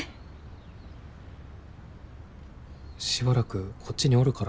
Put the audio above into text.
しばらくこっちにおるから。